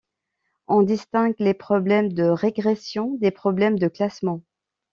On distingue les problèmes de régression des problèmes de classement.